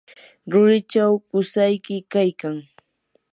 rurichaw qusayki kaykan.